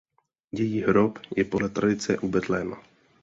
Její hrob je podle tradice u Betléma.